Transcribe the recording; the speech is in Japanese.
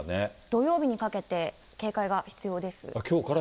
土曜日にかけて、警戒が必要です。